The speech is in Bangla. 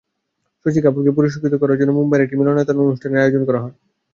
শশী কাপুরকে পুরস্কৃত করার জন্য মুম্বাইয়ের একটি মিলনায়তনে অনুষ্ঠানের আয়োজন করা হয়।